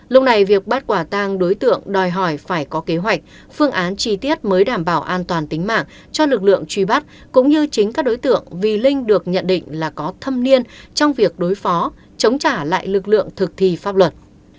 lúc này việc bắt quả tang đối tượng đòi hỏi phải có kế hoạch phương án chi tiết mới đảm bảo an toàn tính mạng cho lực lượng truy bắt cũng như chính các đối tượng vì linh được nhận định là có thâm niên trong việc đối phó chống trả lại lực lượng thực thi pháp luật